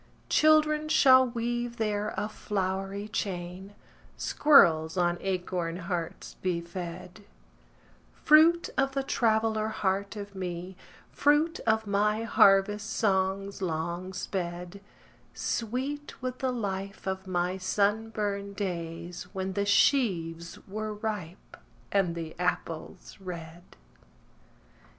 Children shall weave there a flowery chain, Squirrels on acorn hearts be fed:— Fruit of the traveller heart of me, Fruit of my harvest songs long sped: Sweet with the life of my sunburned days When the sheaves were ripe, and the apples red.